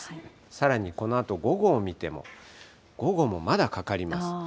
さらにこのあと午後を見ても、午後もまだかかります。